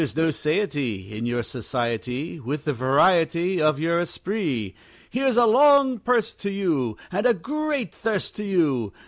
There's no satiety In your society With the variety Of your esprit. Here's a long purse to you, And a great thirst to you!